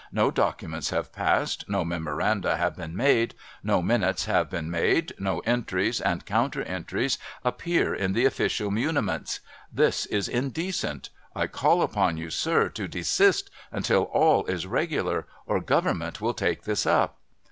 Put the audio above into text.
No documents have passed, no memoranda have been made, no minutes have been made, no entries and counter entries appear in the official muniments. This is indecent. I call upon you, sir, to desist, until all is regular, or Government will take this up.'